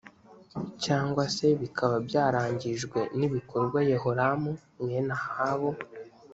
cyangwa se bikaba byarangijwe n ibikorwa yehoramu mwene ahabu